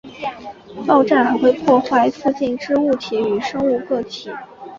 爆炸还会破坏附近之物体与生物个体。